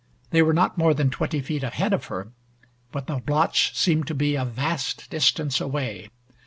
They were not more than twenty feet ahead of her but the blotch seemed to be a vast distance away.